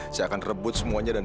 saya akan rebut semuanya dan